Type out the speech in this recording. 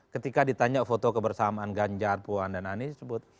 ketika ditanya foto kebersamaan ganjar puan dan anies disebut